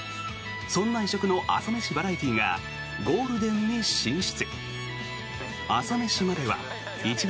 そんな異色の朝飯バラエティーがゴールデンに進出。